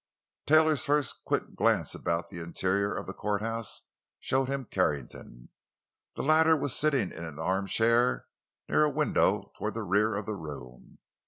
Taylor's first quick glance about the interior of the courthouse showed him Carrington. The latter was sitting in an armchair near a window toward the rear of the room.